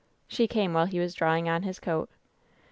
She came while he was drawing on his coat.